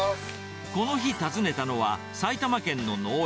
この日訪ねたのは、埼玉県の農園。